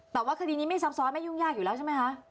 แต่ว่าคดีนี้ไม่ซับซ้อนไม่ยุ่งยากอยู่แล้วใช่ไหมคะ